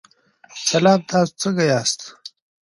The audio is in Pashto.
سلام، تاسو څنګه یاست؟